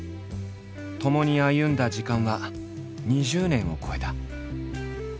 ともに歩んだ時間は２０年を超えた。